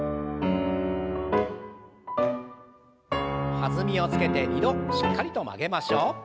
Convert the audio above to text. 弾みをつけて２度しっかりと曲げましょう。